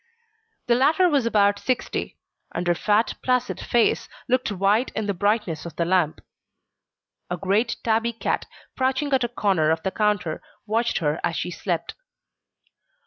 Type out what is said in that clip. The latter was about sixty; and her fat, placid face looked white in the brightness of the lamp. A great tabby cat, crouching at a corner of the counter, watched her as she slept.